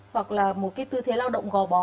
hoặc là một cái tư thế lao động gò bó